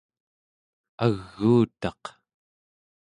aguutaq